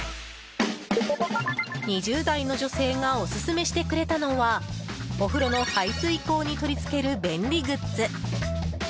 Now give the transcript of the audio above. ２０代の女性がオススメしてくれたのはお風呂の排水溝に取り付ける便利グッズ。